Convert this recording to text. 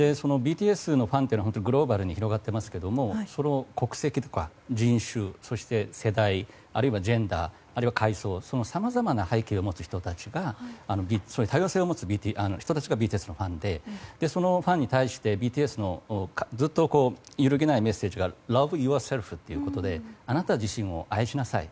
ＢＴＳのファンというのはグローバルに広がってますけども国籍や人種、世代あるいはジェンダーあるいは階層さまざまな背景を持つ人たち、多様性を持つ人たちがＢＴＳのファンでそのファンに対してＢＴＳのずっと揺るぎないメッセージはラブ・ユア・セルフということであなた自身を愛しなさい。